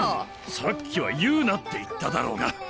さっきは言うなって言っただろうが。